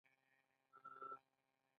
دا مبحث باید په درېیو کچو مطالعه شي.